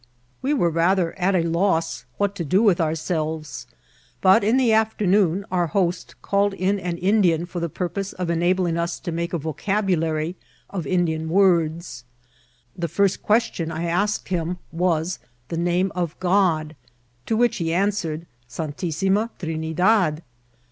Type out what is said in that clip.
'' We were rather at a loss what to do with ourselves, bat in the afternoon our host called in an Indian for the purpose of enabling us to make a vocabulary of Indian words. The first question I asked him was the name of Ood, to which he answered, Santissima Trinidad.